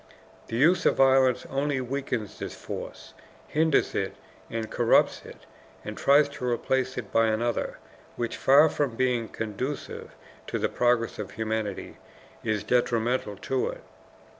The use of violence only weakens this force, hinders it and corrupts it, and tries to replace it by another which far from being conducive to the progress of humanity, is detrimental to it.